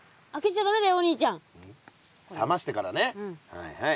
はいはい。